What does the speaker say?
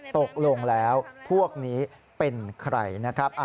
ตกลงแล้วพวกนี้เป็นใครนะครับ